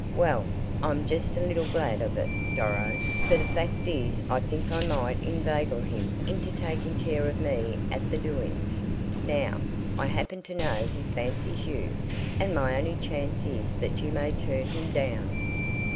"Well, I'm just a little glad of it, Doro, for the fact is I think I might inveigle him into taking care of me at the 'doings.' Now, I happen to know he fancies you, and my only chance is that you may turn him down."